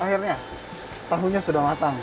hah akhirnya tahunya sudah matang